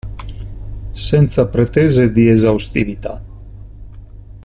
Senza pretese di esaustività.